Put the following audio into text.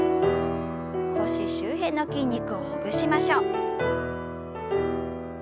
腰周辺の筋肉をほぐしましょう。